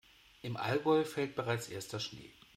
Im Allgäu fällt bereits erster Schnee.